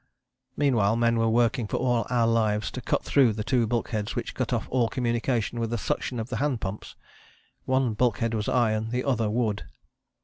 " Meanwhile men were working for all our lives to cut through two bulkheads which cut off all communication with the suction of the hand pumps. One bulkhead was iron, the other wood.